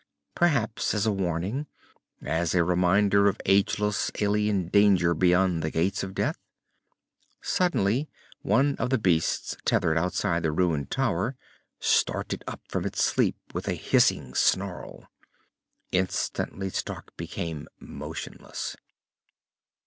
Perhaps as a warning, as a reminder of ageless, alien danger beyond the Gates of Death? Suddenly one of the beasts tethered outside the ruined tower started up from its sleep with a hissing snarl. Instantly Stark became motionless.